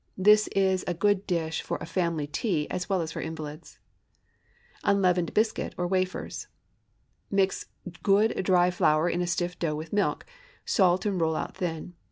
This is a good dish for a family tea as well as for invalids. UNLEAVENED BISCUIT, OR WAFERS. ✠ Mix good, dry flour to a stiff dough with milk; salt, and roll out thin.